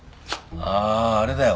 あああれだよ。